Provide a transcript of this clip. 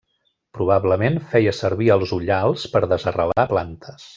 Probablement feia servir els ullals per desarrelar plantes.